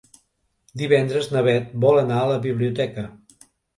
Divendres na Bet vol anar a la biblioteca.